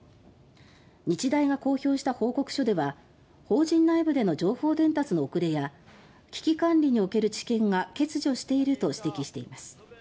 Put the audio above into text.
日大が公表した報告書では法人内部での情報伝達の遅れや危機管理における知見が欠如していると指摘しています。